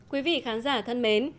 quý vị khán giả thân mến